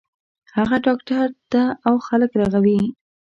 هغه ډاکټر ده او خلک رغوی